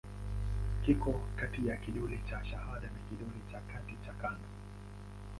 Kiko kati ya kidole cha shahada na kidole cha kati cha kando.